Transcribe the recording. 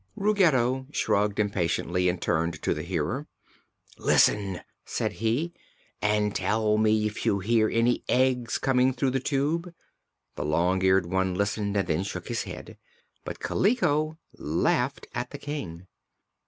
Ruggedo shrugged impatiently and turned to the Hearer. "Listen," said he, "and tell me if you hear any eggs coming through the Tube." The Long Eared one listened and then shook his head. But Kaliko laughed at the King.